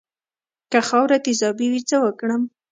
که خاوره تیزابي وي څه وکړم؟